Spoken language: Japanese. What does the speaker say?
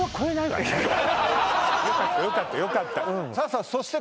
よかったよかったよかったうんそして